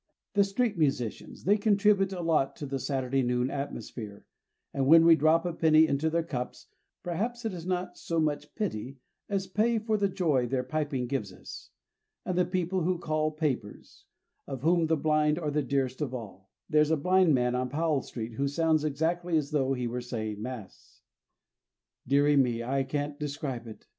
The street musicians, they contribute a lot to the Saturday noon atmosphere. And when we drop a penny into their cups, perhaps it is not so much pity as pay for the joy their piping gives us. And the people who call papers, of whom the blind are the dearest of all. There's a blind man on Powell street who sounds exactly as though he were saying Mass. Dearie me, I can't describe it.